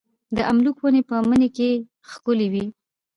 د املوک ونې په مني کې ښکلې وي.